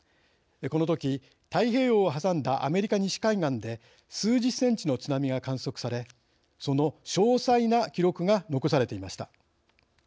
このとき太平洋を挟んだアメリカ西海岸で数十センチの津波が観測されその詳細な記録が残されていました。